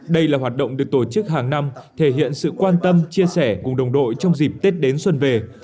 đây là hoạt động được tổ chức hàng năm thể hiện sự quan tâm chia sẻ cùng đồng đội trong dịp tết đến xuân về